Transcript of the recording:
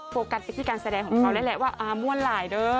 โฟกัสไปที่การแสดงของเขาอามวลไหหล่า่า่่ะ